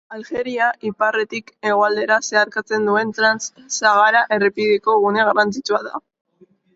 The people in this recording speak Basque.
Aljeria iparretik hegoaldera zeharkatzen duen Trans-Sahara errepideko gune garrantzitsua da.